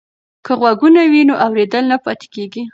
که غوږونه وي نو اوریدل نه پاتیږي.